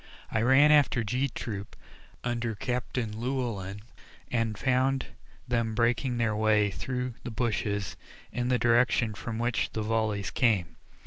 I ran after G Troop under Captain Llewellyn, and found them breaking their way through the bushes in the direction from which the volleys came.